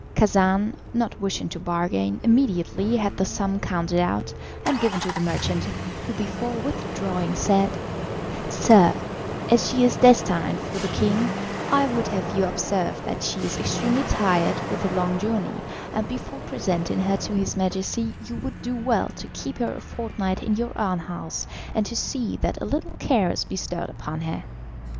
Khacan, not wishing to bargain, immediately had the sum counted out, and given to the merchant, who before withdrawing said: "Sir, as she is destined for the king, I would have you observe that she is extremely tired with the long journey, and before presenting her to his Majesty you would do well to keep her a fortnight in your own house, and to see that a little care is bestowed upon her.